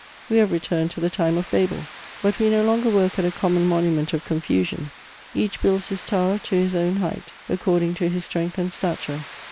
We have returned to the time of Babel, but we no longer work at a common monument of confusion: each builds his tower to his own height, according to his strength and stature.